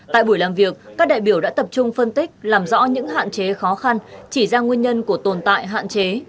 tại buổi làm việc các đại biểu đã tập trung phân tích làm rõ những hạn chế khó khăn chỉ ra nguyên nhân của tồn tại hạn chế